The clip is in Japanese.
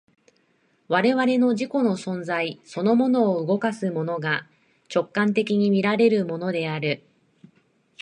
我々の自己の存在そのものを動かすものが、直観的に見られるものである。